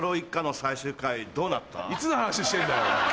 いつの話してんだよ！